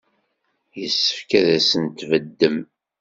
Yessefk ad asen-tbeddem.